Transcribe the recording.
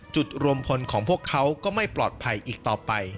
จุดรวมพลของพวกเขาก็ไม่ปลอดภัยอีกต่อไป